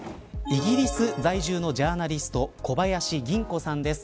イギリス在住のジャーナリスト小林恭子さんです。